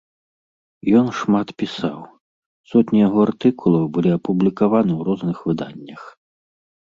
Ён шмат пісаў, сотні яго артыкулаў былі апублікаваны ў розных выданнях.